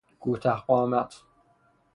کوته قامت